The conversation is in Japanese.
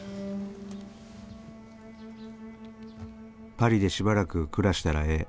「パリでしばらく暮らしたらええ。